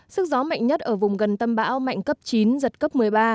sức gió mạnh nhất ở vùng gần tâm bão mạnh cấp chín giật cấp một mươi ba